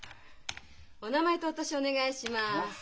お名前とお年お願いします。